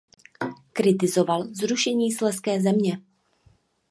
Kritizoval zrušení Slezské země.